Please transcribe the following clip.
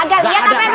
nang lagi dibelain